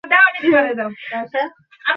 তুই এখন আমার সম্বন্ধে সব জানিস।